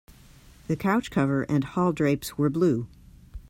The couch cover and hall drapes were blue.